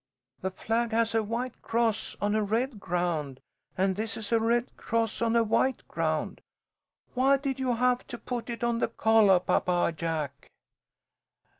The flag has a white cross on a red ground, and this is a red cross on a white ground. Why did you have it put on the collah, Papa Jack?"